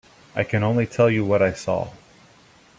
I can only tell you what I saw.